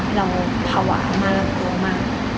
ว่าเราภาวะมากเกิดกลัวมาก